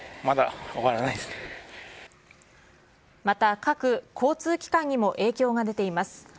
また、各交通機関にも影響が出ています。